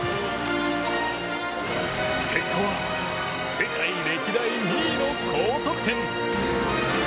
結果は世界歴代２位の高得点。